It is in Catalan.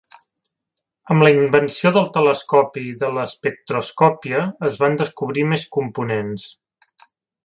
Amb la invenció del telescopi i de l'espectroscòpia es van descobrir més components.